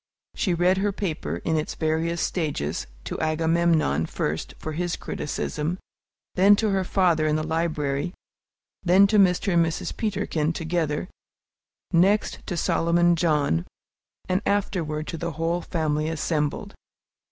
She read her paper, in its various stages, to Agamemnon first, for his criticism, then to her father in the library, then to Mr. and Mrs. Peterkin together, next to Solomon John, and afterward to the whole family assembled.